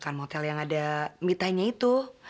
kan motel yang ada mitanya itu